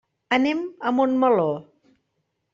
Anem a Montmeló.